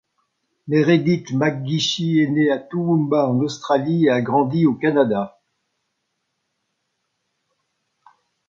Meredith McGeachie est née à Toowoomba en Australie et a grandi au Canada.